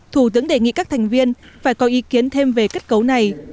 thủ tướng đề nghị các thành viên phải có ý kiến thêm về kết cấu này